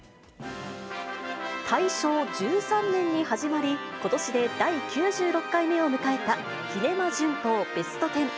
大正１３年に始まり、ことしで第９６回目を迎えたキネマ旬報ベスト・テン。